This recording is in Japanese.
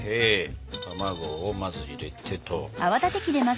卵をまず入れてと。